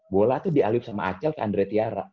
bola tuh dialiup sama acel ke andre tiara